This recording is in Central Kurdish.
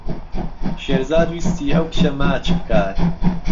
شێرزاد ویستی ئەو کچە ماچ بکات.